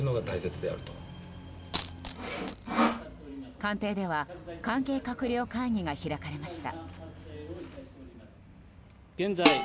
官邸では関係閣僚会議が開かれました。